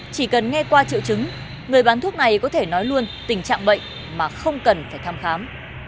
chỉ cần nghe qua triệu chứng người bán thuốc này có thể nói luôn tình trạng bệnh mà không cần phải thăm khám